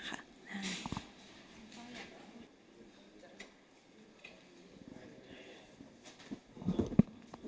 ใช่